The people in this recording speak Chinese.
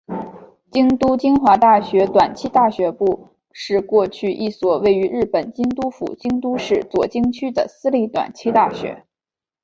京都精华大学短期大学部是过去一所位于日本京都府京都市左京区的私立短期大学。